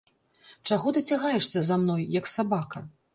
Чаго ты цягаешся за мной, як сабака?